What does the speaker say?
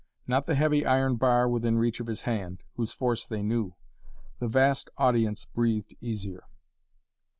Not the heavy iron bar within reach of his hand, whose force they knew. The vast audience breathed easier.